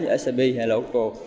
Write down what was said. như là sap hay loco